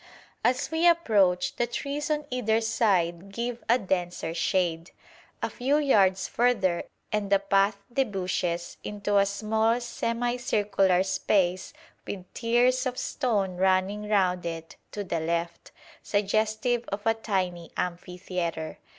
As we approach, the trees on either side give a denser shade. A few yards further and the path debouches into a small semicircular space with tiers of stone running round it to the left, suggestive of a tiny amphitheatre.